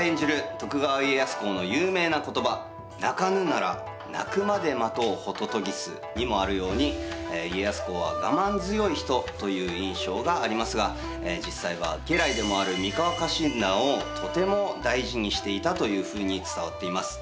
徳川家康公の有名な言葉にもあるように家康公はがまん強い人という印象がありますが実際は家来でもある三河家臣団をとても大事にしていたというふうに伝わっています。